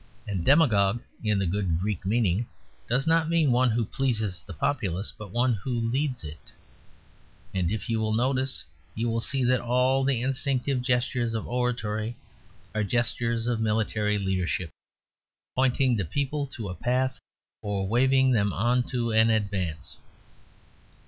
And "demagogue," in the good Greek meaning, does not mean one who pleases the populace, but one who leads it: and if you will notice, you will see that all the instinctive gestures of oratory are gestures of military leadership; pointing the people to a path or waving them on to an advance.